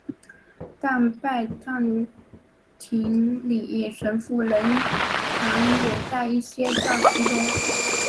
但拜占庭礼神父仍然留在一些教区中。